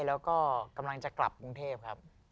อเจมส์อย่างงั้นจะกลับกรุงเทพครับ